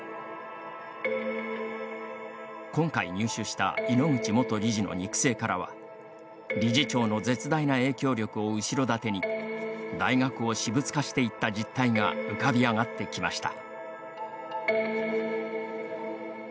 今回、入手した井ノ口元理事の肉声からは理事長の絶大な影響力を後ろ盾に大学を私物化していった実態が浮かび上がってきました。